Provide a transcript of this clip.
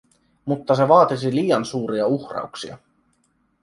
Mutta se vaatisi liian suuria uhrauksia;